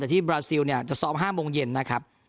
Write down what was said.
แต่ที่บราซิลจะซ้อม๑๗๐๐นนะครับ